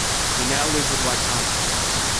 He now lives at Waikanae.